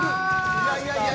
いやいやいや。